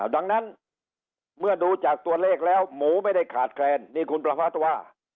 ดังนั้นเมื่อดูจากตัวเลขแล้วหมูไม่ได้ขาดแคลนนี่คุณประพัทธ์ว่า